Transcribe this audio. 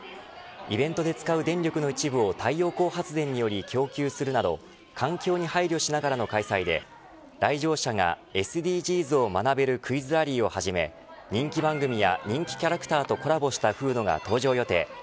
イベントで使う電力の一部を太陽光発電により供給するなど環境に配慮しながらの開催で来場者がＳＤＧｓを学べるクイズラリーをはじめ人気番組や人気キャラクターとコラボしたフードが登場予定。